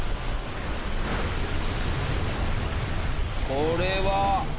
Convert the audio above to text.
これは。